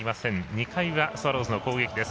２回裏、スワローズの攻撃です。